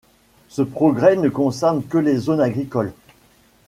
Ce progrès ne concerne que les zones agricoles.